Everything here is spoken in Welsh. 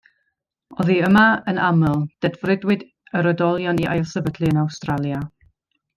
Oddi yma, yn aml, dedfrydwyd yr oedolion i ailsefydlu yn Awstralia.